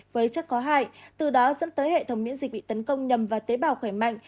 với chất có hại từ đó dẫn tới hệ thống miễn dịch bị tấn công nhầm và tế bào khỏe mạnh